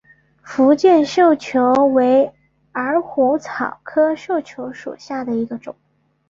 福建绣球为虎耳草科绣球属下的一个种。